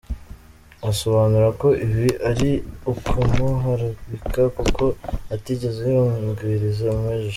Asobanura ko ibi ari ukumuharabika kuko atigeze yungiriza Maj.